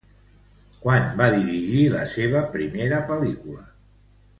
Quan va dirigir la seva primera pel·lícula?